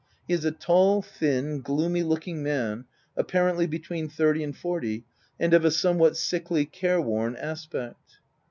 He is a tall, thin, gloomy looking man, apparently between thirty and forty, and of a somewhat sickly, careworn aspect.